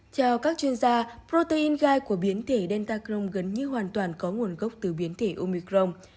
theo các chuyên gia protein gai của biến thể delta crong gần như hoàn toàn có nguồn gốc từ biến thể omicron